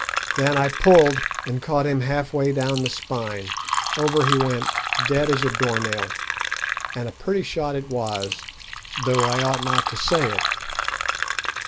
Then I pulled, and caught him half way down the spine. Over he went, dead as a door nail, and a pretty shot it was, though I ought not to say it.